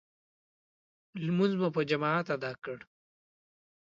لمونځ مو په جماعت ادا کړ.